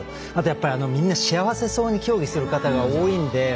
あと、みんな幸せそうに競技する方、多いので。